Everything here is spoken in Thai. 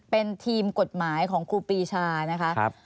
เป็นทีมกฎหมายของครูปีชานะคะ